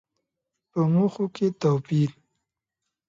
په موخو کې توپير.